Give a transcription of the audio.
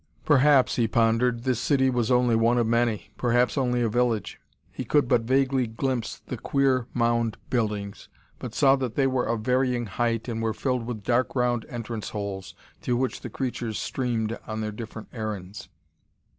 Perhaps, he pondered, this city was only one of many; perhaps only a village. He could but vaguely glimpse the queer mound buildings, but saw that they were of varying height and were filled with dark round entrance holes, through which the creatures streamed on their different errands....